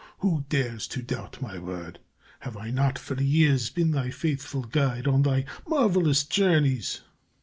Who dares to doubt my word? Have I not, for years, been thy faithful guide on thy marvelous journeys?